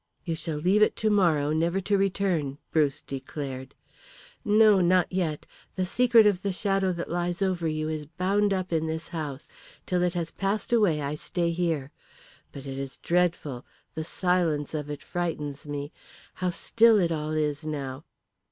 "You shall leave it tomorrow, never to return," Bruce declared. "No; not yet. The secret of the shadow that lies over you is bound up in this house. Till it has passed away I stay here. But it is dreadful. The silence of it frightens me. How still it all is now!"